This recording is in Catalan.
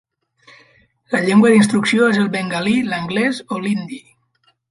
La llengua d'instrucció és el bengalí, l'anglès o l'hindi.